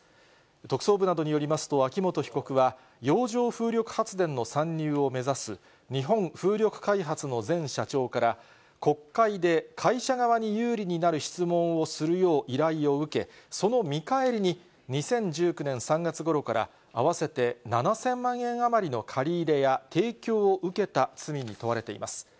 特捜部などによりますと、秋本被告は、洋上風力発電の参入を目指す、日本風力開発の前社長から、国会で会社側に有利になる質問をするよう依頼を受け、その見返りに、２０１９年３月ごろから、合わせて７０００万円余りの借り入れや提供を受けた罪に問われています。